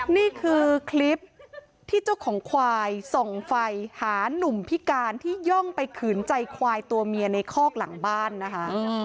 นี่คือคลิปที่เจ้าของควายส่องไฟหานุ่มพิการที่ย่องไปขืนใจควายตัวเมียในคอกหลังบ้านนะคะ